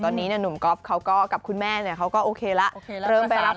ตอนนี้เนี่ยหนุ่มก๊อฟกับคุณแม่เขาก็โอเคแล้ว